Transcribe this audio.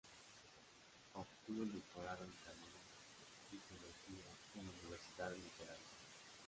Obtuvo el doctorado en cánones y teología en la Universidad Literaria.